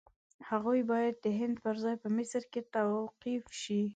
هغوی باید د هند پر ځای په مصر کې توقیف شي.